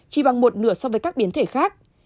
chỉ bằng một nửa so với các biến thể khác